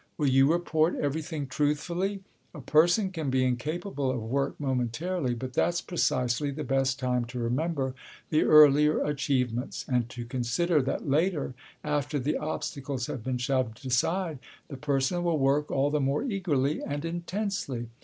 Will you report everything truthfully? A person can be incapable of work momentarily, but that's precisely the best time to remember the earlier achievements and to consider that later, after the obstacles have been shoved aside, the person will work all the more eagerly and intensely.